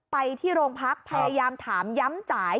ไปที่โรงพักพยายามถามย้ำจ่าย